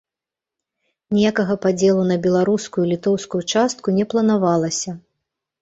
Ніякага падзелу на беларускую і літоўскую частку не планавалася.